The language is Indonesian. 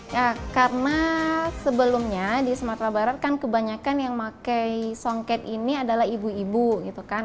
ya karena sebelumnya di sumatera barat kan kebanyakan yang pakai songket ini adalah ibu ibu gitu kan